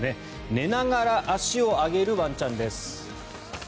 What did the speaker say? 寝ながら足を上げるワンちゃんです。